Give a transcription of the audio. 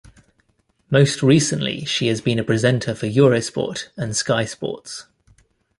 Most recently she has been a presenter for Eurosport, and Sky Sports.